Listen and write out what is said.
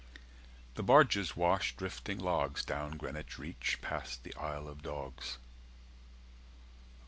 The barges wash Drifting logs Down Greenwich reach Past the Isle of Dogs.